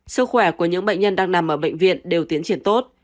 sức khỏe của những bệnh nhân đang nằm ở bệnh viện đều tiến triển tốt